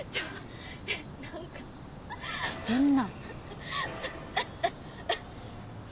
してんな。